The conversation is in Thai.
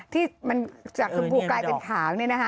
ที่มันจากคืนปลูกกลายเป็นขาว